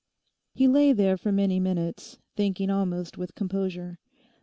He lay there for many minutes, thinking almost with composure.